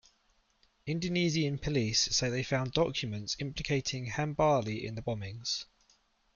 Indonesian police say they found documents implicating Hambali in the bombings.